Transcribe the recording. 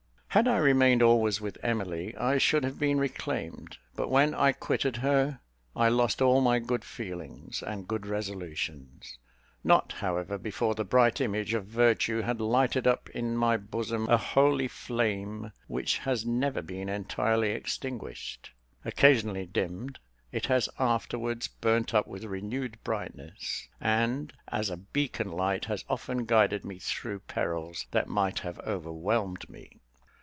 Had I remained always with Emily, I should have been reclaimed; but when I quitted her, I lost all my good feelings and good resolutions; not, however, before the bright image of virtue had lighted up in my bosom a holy flame which has never been entirely extinguished. Occasionally dimmed, it has afterwards burnt up with renewed brightness; and, as a beacon light, has often guided me through perils that might have overwhelmed me.